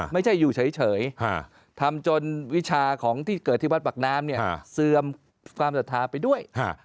ไม่ใช่อยู่เฉยทำจนวิชาของที่เกิดที่วัดปากน้ำเนี่ยเสื่อมความศรัทธาไปด้วย